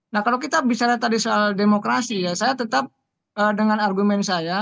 nah kalau kita bicara tadi soal demokrasi ya saya tetap dengan argumen saya